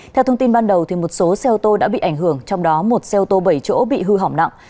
theo thông tin ban đầu một số xe ô tô đã bị ảnh hưởng trong đó một xe ô tô bảy chỗ bị hư hỏng nặng